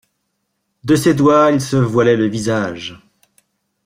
De ses doigts il se voilait le visage.